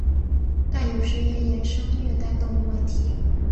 但有时也衍生虐待动物问题。